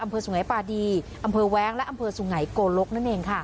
อำเภอสูงไหงปาดีอำเภอแวงและอำเภอสูงไหงโกลกนั่นเองค่ะ